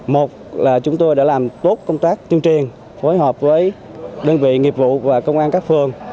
một là chúng tôi đã làm tốt công tác tuyên truyền phối hợp với đơn vị nghiệp vụ và công an các phường